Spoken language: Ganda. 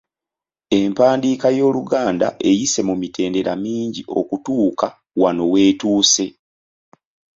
Empandiika y’Oluganda eyise mu mitendera mingi okutuuka wano w’etuuse.